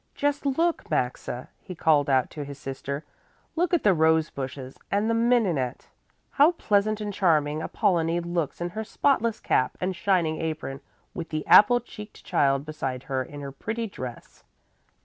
Just look, Maxa!" he called out to his sister. "Look at the rose hushes and the mignonette! How pleasant and charming Apollonie looks in her spotless cap and shining apron with the apple cheeked child beside her in her pretty dress!"